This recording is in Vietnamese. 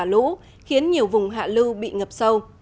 nhiều nhà máy thủy điện xả lũ khiến nhiều vùng hạ lưu bị ngập sâu